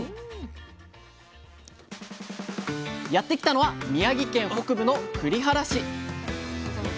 やって来たのは宮城県北部の栗原市。